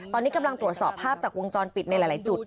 ตอนนี้กำลังตรวจสอบภาพจากวงจรปิดในหลายจุด